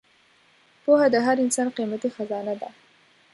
پوهه د هر انسان قیمتي خزانه ده.